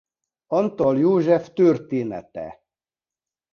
Antall József története.